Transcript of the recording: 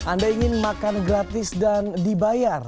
anda ingin makan gratis dan dibayar